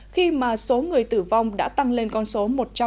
khi mà số người tử vong đã tăng lên con số một trăm ba mươi hai